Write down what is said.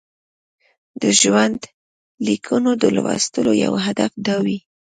د ژوندلیکونو د لوستلو یو هدف دا وي.